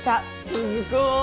鈴子！